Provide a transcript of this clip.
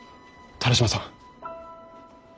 田良島さん。